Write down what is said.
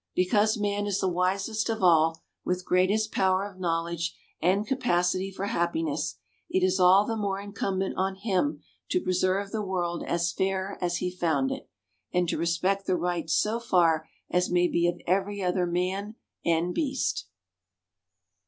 Because man is the wisest of all, with greatest power of knowledge and capacity for happiness, it is all the more incumbent on him to preserve the world as fair as he found it, and to respect the rights so far as may be of every other man and beast.